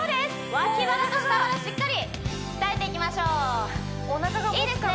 脇腹と下腹しっかり鍛えていきましょういいですね